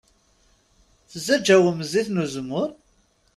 Tessaǧawem zzit n uzemmur?